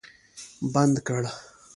بند کړ